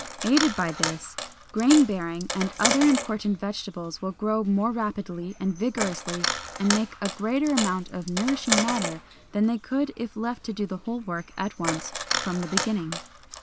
Aided by this, grain bearing and other important vegetables will grow more rapidly and vigorously, and make a greater amount of nourishing matter, than they could if left to do the whole work at once from the beginning.